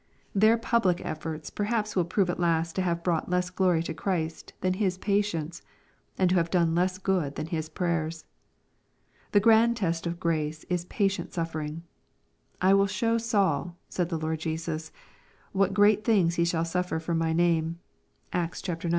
Their public efforts perhaps will prove at last to have brought less glory to Christ than his patience, and to have done less good than his prayers. The grand test of grace is patient suffering. " I will show Saul,'' said the Lord Jesus, " what great things he shall suffer for my name." (Acts ix.